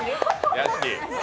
屋敷！